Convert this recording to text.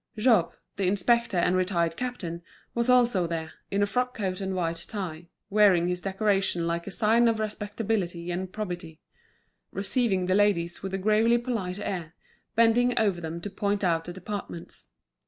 Jouve, the inspector and retired captain, was also there, in a frock coat and white tie, wearing his decoration like a sign of respectability and probity, receiving the ladies with a gravely polite air, bending over them to point out the departments.